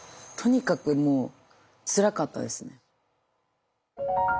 とにかくもうつらかったですね。